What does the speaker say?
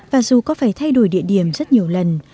và dù có phải thay đổi địa điểm rất nhiều lần